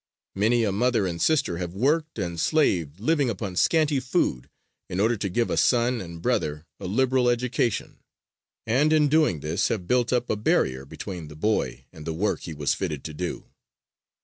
Many a mother and sister have worked and slaved, living upon scanty food, in order to give a son and brother a "liberal education," and in doing this have built up a barrier between the boy and the work he was fitted to do.